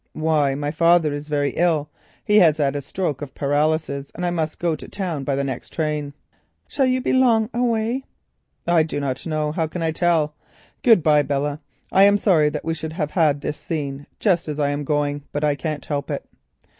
"Why, my father is very ill. He has had a stroke of paralysis, and I must go to town by the next train." "Shall you be long away?" "I do not know. How can I tell? Good bye, Belle. I am sorry that we should have had this scene just as I am going, but I can't help it."